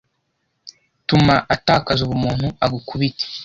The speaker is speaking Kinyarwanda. tuma atakaza ubumuntu agukubite